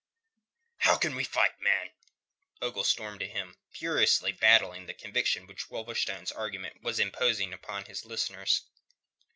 "How can we fight, man?" Ogle stormed at him, furiously battling the conviction which Wolverstone's argument was imposing upon his listeners.